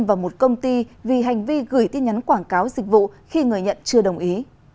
và một công ty vì hành vi gửi tin nhắn quảng cáo dịch vụ khi người nhận chưa đồng ý